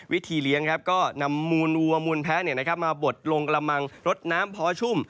วิธีเลี้ยงก็นำมูลวัวมูลแพ้มาบดลงกระมังรดน้ำพอชุ่ม